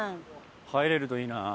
入れるといいな。